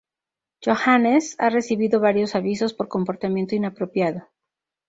Yohannes ha recibido varios avisos por comportamiento inapropiado.